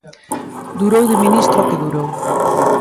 Durou de ministra o que durou.